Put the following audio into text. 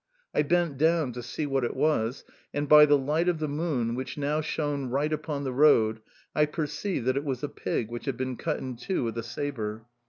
I bent down to see what it was, and, by the light of the moon, which now shone right upon the road, I perceived that it was a pig which had been cut in two with a sabre...